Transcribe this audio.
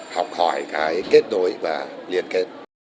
học hỏi cái kết nối và liên kết